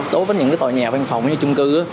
tối với những cái tòa nhà văn phòng như chung cư á